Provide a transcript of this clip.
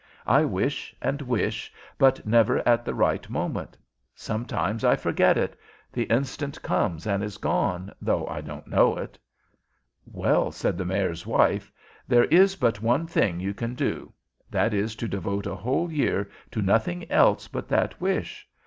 I wish, and wish, but never at the right moment. Sometimes I forget it; the instant comes and is gone, though I don't know it." "Well," said the Mayor's wife, "there is but one thing you can do. That is, to devote a whole year to nothing else but that wish.